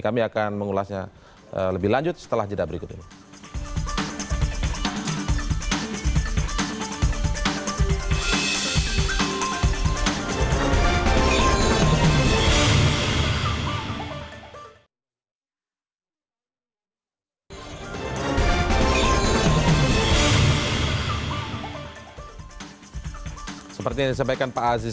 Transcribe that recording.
kami akan mengulasnya lebih lanjut setelah jeda berikut ini